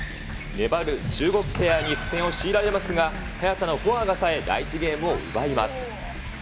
粘る中国ペアに苦戦を強いられますが、早田のフォアがさえ、第１ゲームを奪います。